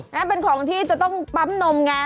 นั่นเป็นของที่จะต้องปั๊มนมไง